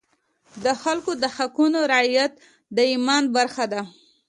د خلکو د حقونو رعایت د ایمان برخه ده.